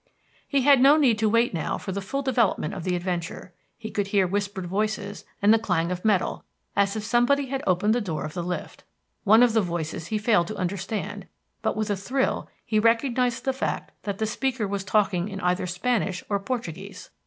He had no need to wait now for the full development of the adventure. He could hear whispered voices and the clang of metal, as if somebody had opened the door of the lift. One of the voices he failed to understand, but with a thrill he recognised the fact that the speaker was talking in either Spanish or Portuguese.